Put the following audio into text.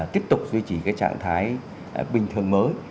tiếp tục duy trì trạng thái bình thường mới